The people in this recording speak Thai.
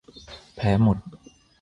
แพ้หมด